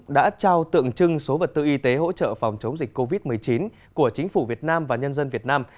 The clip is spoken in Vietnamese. đã trao tượng trưng số vật tư y tế hỗ trợ phòng chống dịch covid một mươi chín của chính phủ việt nam và nhân dân việt nam